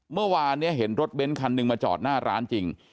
เมื่อวานนี้เห็นรถเบ้นคันหนึ่งมาจอดหน้าร้านจริง